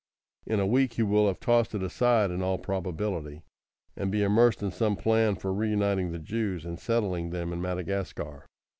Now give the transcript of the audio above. In a week he will have tossed it aside in all probability, and be immersed in some plan for reuniting the Jews and settling them in Madagascar.